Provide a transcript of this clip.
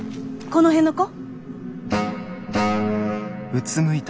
この辺の子？